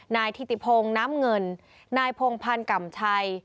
นายธิติพงศ์น้ำเงินนายพงพันธ์ก่ำชัย